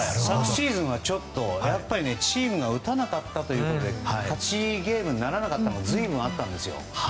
昨シーズンはやっぱりチームが打たなかったということで勝ちゲームにならなかったのが随分あったんですよ。